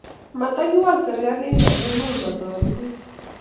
matikiwal serikalit amu mumatoritech